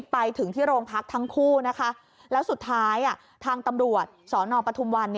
ไปถึงที่โรงพักทั้งคู่นะคะแล้วสุดท้ายทางตำรวจสนปทุมวัน